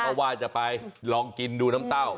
เพราะว่าจะไปลองกินดูน้ำเต้า